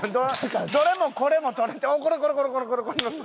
どれもこれも撮れてあっこれこれこれこれ！